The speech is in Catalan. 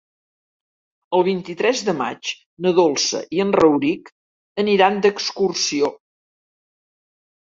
El vint-i-tres de maig na Dolça i en Rauric aniran d'excursió.